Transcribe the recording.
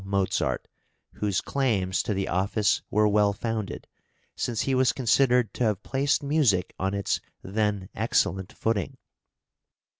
Mozart, whose claims to the office were well founded, since he was considered to have placed music on its then excellent footing.